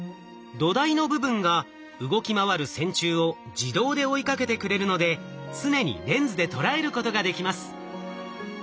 土台の部分が動き回る線虫を自動で追いかけてくれるので常にレンズで捉えることができます。